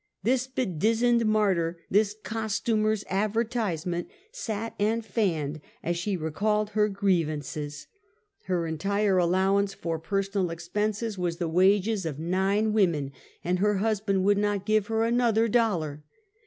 This bedizzoned martyr, this costumer's advertise ment, sat and fanned as she recounted her grievances. Her entire allowance for personal expenses, was the 56 Half a Centuet. wages of nine women, and lier hnsband would not give her another dollar.